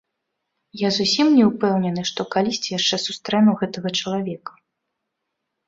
Я зусім не ўпэўнены, што калісьці яшчэ сустрэну гэтага чалавека.